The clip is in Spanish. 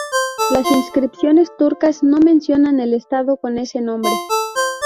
Las inscripciones turcas no mencionan el estado con ese nombre.